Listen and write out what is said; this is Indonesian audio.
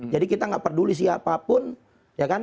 jadi kita nggak peduli siapapun ya kan